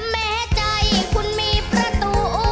แม้ใจคุณมีประตู